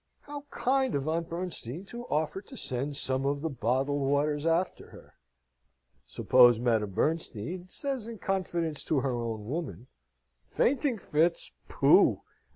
How kind of Aunt Bernstein to offer to send some of the bottled waters after her! Suppose Madame Bernstein says in confidence to her own woman, "Fainting fits! pooh!